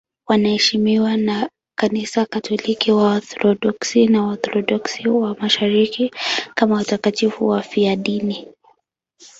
Wanaheshimiwa na Kanisa Katoliki, Waorthodoksi na Waorthodoksi wa Mashariki kama watakatifu wafiadini.